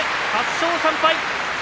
８勝３敗。